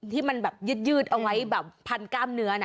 ที่มันจะยืดเอาไว้ผันก้ามเนื้อ